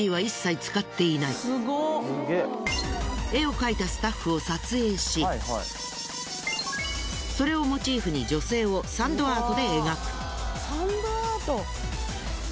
絵を描いたスタッフを撮影しそれをモチーフに女性をサンドアートで描く。